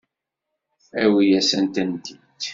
Awi-asent-tent-id.